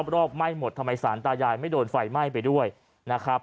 รอบไหม้หมดทำไมสารตายายไม่โดนไฟไหม้ไปด้วยนะครับ